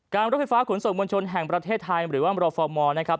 รถไฟฟ้าขนส่งมวลชนแห่งประเทศไทยหรือว่ามรฟมนะครับ